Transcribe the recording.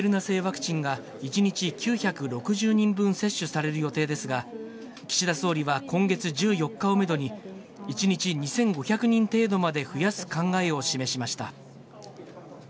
製ワクチンが１日９６０人分接種される予定ですが、岸田総理は今月１４日をメドに、１日２５００人程度まで増やす考えを示しました。